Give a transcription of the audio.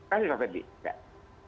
terima kasih pak bedi